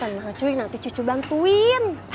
nah cuy nanti cucu bantuin